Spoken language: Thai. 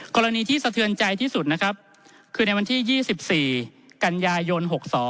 กรณีที่สะเทือนใจที่สุดนะครับคือในวันที่๒๔กันยายน๖๒